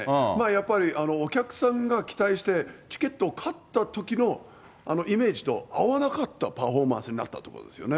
やっぱりお客さんが期待してチケットを買ったときのイメージと合わなかったパフォーマンスになったということですよね。